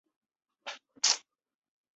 韦斯活在柴郡的南特威奇。